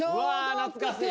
懐かしい。